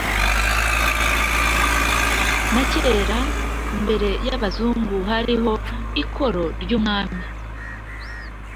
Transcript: Na kera mbere y'Abazungu hariho ikoro ry'umwami.